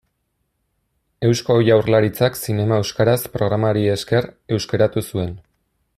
Eusko Jaurlaritzak Zinema Euskaraz programari esker euskaratu zuen.